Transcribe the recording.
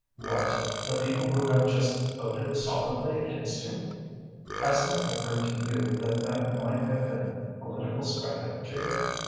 "What, the people who have just voted solidly against you?" "Hasn't it occurred to you that that might have been political strategy?"